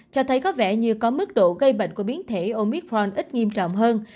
cho thấy có vẻ như có mức độ gây bệnh của biến thể omitron ít nghiêm trọng hơn